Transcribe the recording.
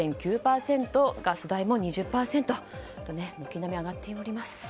ガス代も２０％と軒並み上がっております。